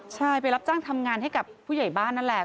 ใช่ไปรับจ้างทำงานให้กับผู้ใหญ่บ้านนั่นแหละ